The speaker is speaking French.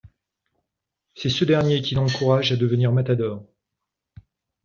C’est ce dernier qui l’encourage à devenir matador.